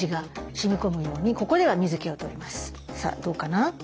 さあどうかな。